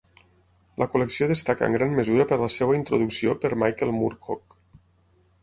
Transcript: La col·lecció destaca en gran mesura per la seva introducció per Michael Moorcock.